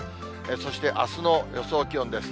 そして、あすの予想気温です。